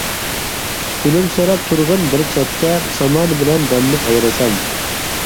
كۈلۈمسىرەپ تۇرغىن بىر چەتتە، سامان بىلەن داننى ئايرىسام.